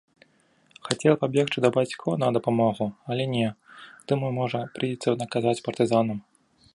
Хацела пабегчы да бацькоў на дапамогу, але не, думаю, можа, прыйдзецца наказаць партызанам.